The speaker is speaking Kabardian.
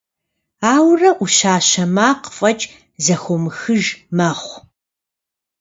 Ауэрэ ӏущащэ макъ фӏэкӏ зэхыумыхыж мэхъу.